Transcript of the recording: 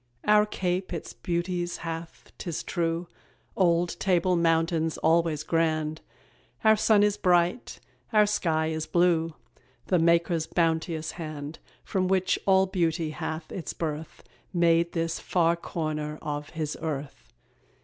Our Cape its beauties hath, 'tis true: Old Table Mountain's always grand, Our sun is bright, our sky is blue; The Maker's bounteous hand, From which all beauty hath its birth, Made this far corner of His earth.